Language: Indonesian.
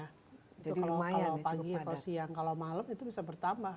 kalau pagi atau siang kalau malam itu bisa bertambah